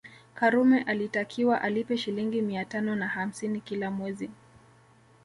Karume alitakiwa alipe Shilingi mia tano na hamsini kila mwezi